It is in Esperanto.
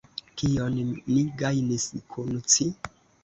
Kion ni gajnis kun ci?